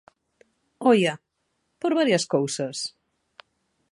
¡Oia, por varias cousas!